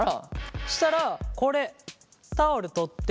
したらこれタオル取って。